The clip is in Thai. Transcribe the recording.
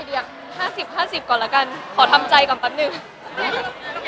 ด้วยค่ะเพราะว่าเหมือนช่วงเนี้ยเราคิดจะทำอะไรหลายอย่างด้วยค่ะ